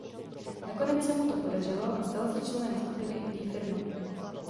Nakonec se mu to podařilo a stal se členem skupiny Die Firma.